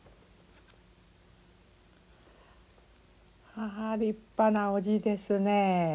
ああ立派なお字ですねえ。